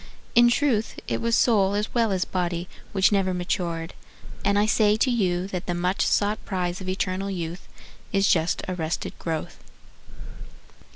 In truth it was soul as well as body Which never matured, and I say to you That the much sought prize of eternal youth Is just arrested growth.